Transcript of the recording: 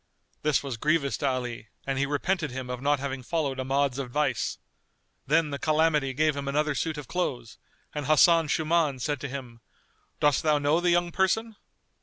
This was grievous to Ali and he repented him of not having followed Ahmad's advice. Then the Calamity gave him another suit of clothes and Hasan Shuman said to him, "Dost thou know the young person?"